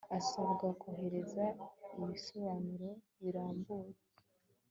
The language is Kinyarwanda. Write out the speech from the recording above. asabwa kohereza ibisobanuro birambuye